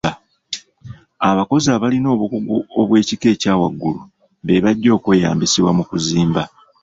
Abakozi abalina obukugu obw'ekika ekya waggulu be bajja okweyambisibwa mu kuzimba.